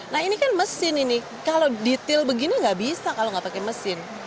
nah ini kan mesin ini kalau detail begini enggak bisa kalau enggak pake mesin